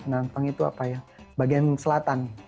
nampang itu apa ya bagian selatan